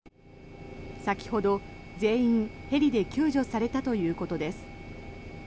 先ほど、全員ヘリで救助されたということです。